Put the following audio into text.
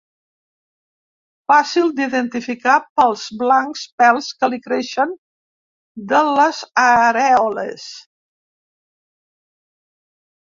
Fàcil d'identificar pels blancs pèls que li creixen de les arèoles.